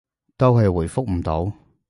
都係回覆唔到